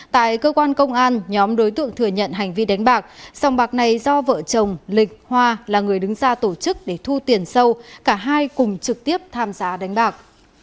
tại cơ quan công an nhóm đối tượng thừa nhận hành vi đánh bạc sòng bạc này do vợ chồng lịch hoa là người đứng ra tổ chức để thu tiền sâu cả hai cùng trực tiếp tham giá đánh bạc